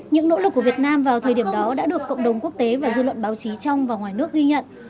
những nỗ lực của việt nam vào thời điểm đó đã được cộng đồng quốc tế và dư luận báo chí trong và ngoài nước ghi nhận